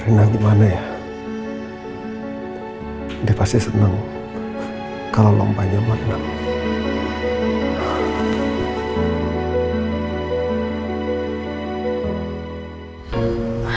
rena gimana ya dia pasti senang kalau lompatnya mana